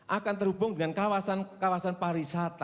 akan terhubung dengan kawasan kawasan pariwisata